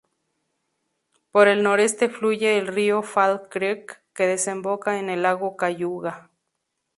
Por el noreste fluye el río "Fall Creek" que desemboca en el lago Cayuga.